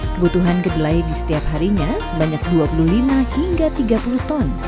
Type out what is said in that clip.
kebutuhan kedelai di setiap harinya sebanyak dua puluh lima hingga tiga puluh ton